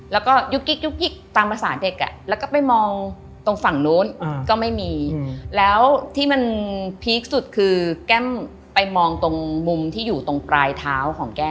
แล้วก็ยุกกิ๊กยุกกิ๊กตามภาษาเด็กแล้วก็ไปมองตรงฝั่งนู้นก็ไม่มีแล้วที่มันพีคสุดคือแก้มไปมองตรงมุมที่อยู่ตรงปลายเท้าของแก้ม